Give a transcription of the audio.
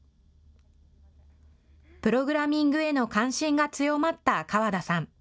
プログラミングへの関心が強まった川田さん。